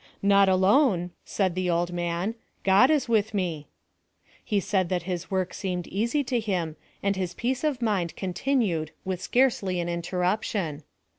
" Not alone," said the old man, " God is with me." He said that his work seemed easy to him, and his peace of mind continued with scarcely an interruption.